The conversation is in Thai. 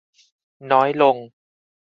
น้อยลง